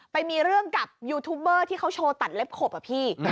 ไปมีเรื่องกับยูทูบเบอร์ที่เขาโชว์ตัดเล็บขบอะพี่